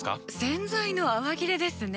洗剤の泡切れですね。